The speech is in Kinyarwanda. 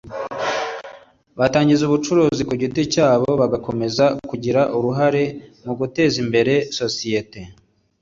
bagatangiza ubucuruzi ku giti cyabo bagakomeza kugira uruhare mu guteza imbere sosiyete mu buryo bumwe cyangwa ubundi